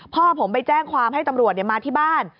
พ่อผมไปแจ้งความให้ตำรวจมาที่บ้าน